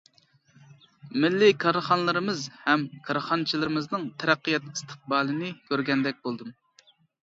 مىللىي كارخانىلىرىمىز ھەم كارخانىچىلىرىمىزنىڭ تەرەققىيات ئىستىقبالىنى كۆرگەندەك بولدۇم.